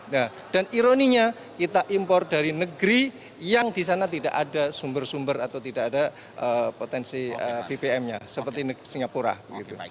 nah dan ironinya kita impor dari negeri yang di sana tidak ada sumber sumber atau tidak ada potensi bbm nya seperti singapura gitu